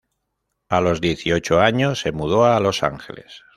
A los dieciocho años se mudó a Los Ángeles.